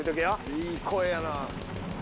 いい声やな。